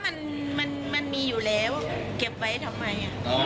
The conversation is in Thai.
มันมันมีอยู่แล้วเก็บไว้ทำไม